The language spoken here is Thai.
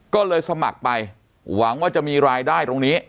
ก็เลยสมัครไปหวังว่าจะมีรายได้ตรงนี้